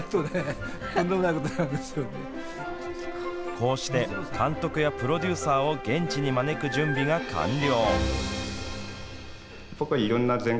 こうして監督やプロデューサーを現地に招く準備が完了。